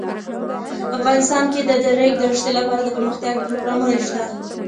افغانستان کې د د ریګ دښتې لپاره دپرمختیا پروګرامونه شته.